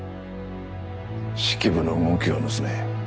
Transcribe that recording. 式部の動きを盗め。